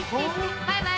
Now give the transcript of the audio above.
バイバイ！